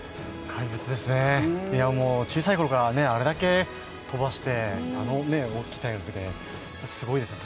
怪物ですね、小さいころからあれだけ飛ばして、あの大きい体格で、すごいですね。